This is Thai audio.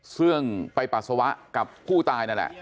ซึ่งไปปัสสาวะกับผู้ตายนั่นแหละ